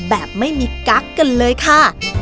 แบบไม่มีกั๊กกันเลยค่ะ